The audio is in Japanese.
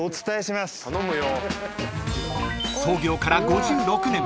［創業から５６年］